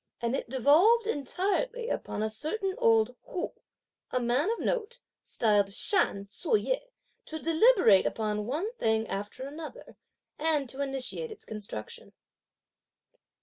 And it devolved entirely upon a certain old Hu, a man of note, styled Shan Tzu yeh, to deliberate upon one thing after another, and to initiate its construction.